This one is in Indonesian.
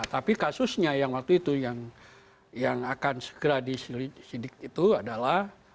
tapi kasusnya yang waktu itu yang akan segera disidik itu adalah